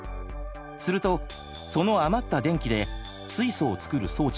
するとその余った電気で水素を作る装置が作動。